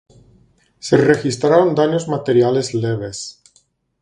Se registraron daños materiales leves.